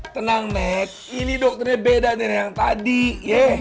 tenang nek ini dokternya beda dari yang tadi yeh